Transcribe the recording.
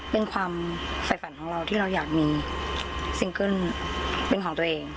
เป็นความใส่ฝันของเราที่เราอยากมีเป็นของตัวเอง